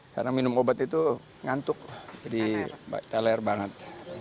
karena minum obat itu ngantuk jadi telar banget